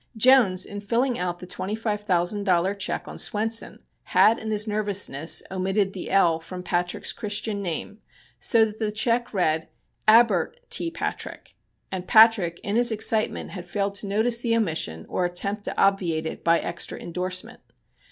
Jones, in filling out the twenty five thousand dollar check on Swenson, had in his nervousness omitted the "l" from Patrick's Christian name, so that the check read "Abert T. Patrick," and Patrick in his excitement had failed to notice the omission or attempt to obviate it by extra indorsement.